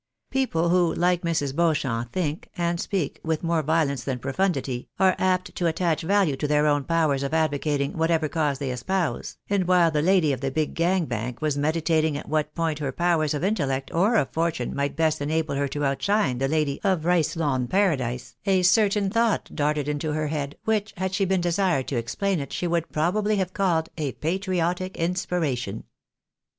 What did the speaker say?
People who, like Mrs. Beauchamp, think and speak, with more violence than profundity, are apt to attach value to their own powers of advocating whatever cause they espouse, and while the lady of Big Gang Bank was meditating at what point her powers of intellect or of fortune might best enable her to outshine the lady of Pice Lawn Paradise, a certain thought darted into her head, which, had she been desired to explain it she would probably have called " a patriotic inspiration."